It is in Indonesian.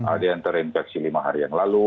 ada yang terinfeksi lima hari yang lalu